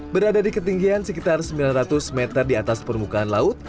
berada di ketinggian sekitar sembilan ratus meter di atas permukaan laut